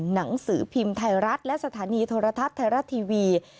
หนังสือพิมพ์ไทยรัฐและสถานีโทรทัศน์ไทยรัฐทีวี